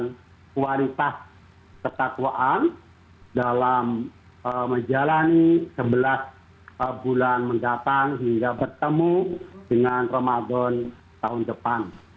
dan bekal kita untuk terus meningkatkan kualitas ketakwaan dalam menjalani sebelas bulan mendatang hingga bertemu dengan ramadan tahun depan